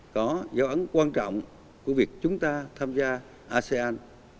có dấu ấn quan trọng của việc chúng ta tham gia asean